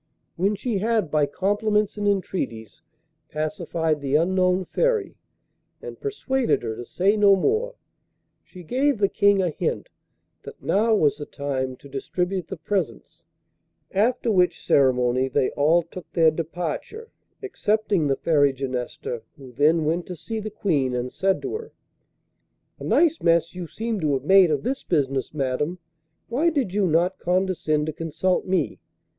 When she had by compliments and entreaties pacified the unknown Fairy, and persuaded her to say no more, she gave the King a hint that now was the time to distribute the presents, after which ceremony they all took their departure, excepting the Fairy Genesta, who then went to see the Queen, and said to her: 'A nice mass you seem to have made of this business, madam. Why did you not condescend to consult me?